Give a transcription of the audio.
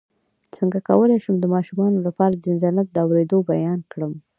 څنګه کولی شم د ماشومانو لپاره د جنت د اوریدلو بیان کړم